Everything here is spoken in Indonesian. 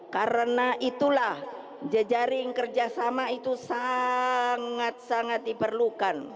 karena itulah jejaring kerjasama itu sangat sangat diperlukan